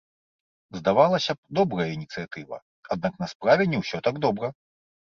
Здавалася б, добрая ініцыятыва, аднак на справе не ўсё так добра.